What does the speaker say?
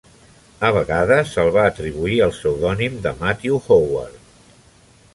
A vegades se'l va atribuir el pseudònim de Matthew Howard.